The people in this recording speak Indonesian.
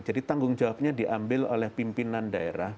jadi tanggung jawabnya diambil oleh pimpinan daerah